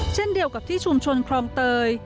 เช่นเดียวกับที่ชุมชนคลองเตย